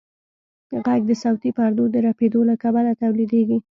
غږ د صوتي پردو د رپېدو له کبله تولیدېږي.